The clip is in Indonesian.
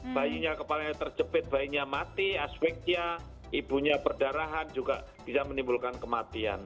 bayinya kepalanya terjepit bayinya mati aspeknya ibunya perdarahan juga bisa menimbulkan kematian